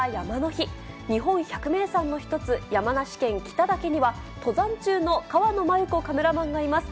日本百名山の一つ、山梨県北岳には、登山中の川野真由子カメラマンがいます。